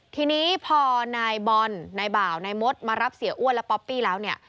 ทีนี้พอนายบอลนายบ่าวนายมดมารับเสียอ้วนและป๊อปปี้แล้วเนี่ย